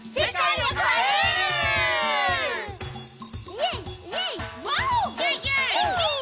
イエイイエイ！